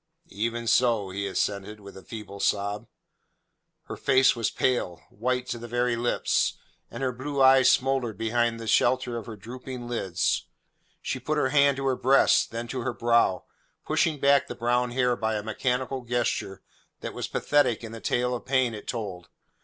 "Even so," he assented, with a feeble sob. Her face was pale white to the very lips, and her blue eyes smouldered behind the shelter of her drooping lids. She put her hand to her breast, then to her brow, pushing back the brown hair by a mechanical gesture that was pathetic in the tale of pain it told.